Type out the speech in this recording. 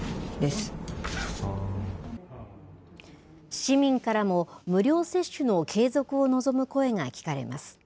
市民からも無料接種の継続を望む声が聞かれます。